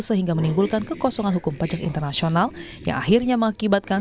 sehingga menimbulkan kekosongan hukum pajak internasional yang akhirnya mengakibatkan